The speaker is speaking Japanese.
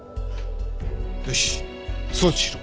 よし送致しろ。